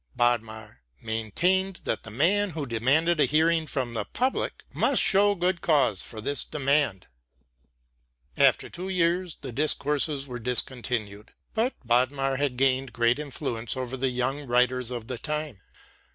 Bodmer maintained that the man who demanded a hearing from the public must show good cause for this demand. After two years the Discourses were discontinued; but Bodmer had gained great influence over the young writers of the time.